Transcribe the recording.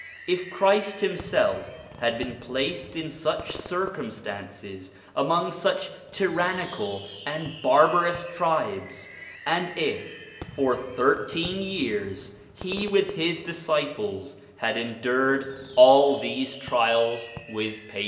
If Christ himself had been placed in such circumstances among such tyrannical and bar barous tribes, and if for thirteen years he with his disciples had endured all these trials with patience, 1 To Madina.